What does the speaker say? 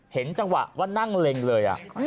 เห็นจังหวะว่านั่งเล็งเลย